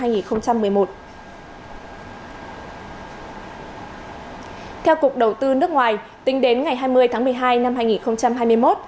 theo cục đầu tư nước ngoài tính đến ngày hai mươi tháng một mươi hai năm hai nghìn hai mươi một